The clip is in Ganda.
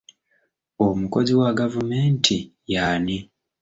Omukozi wa gavumenti y'ani?